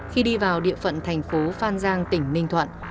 khi đi vào địa phận thành phố phan giang tỉnh ninh thuận